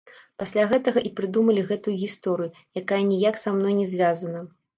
Пасля гэтага і прыдумалі гэтую гісторыю, якая ніяк са мной не звязана.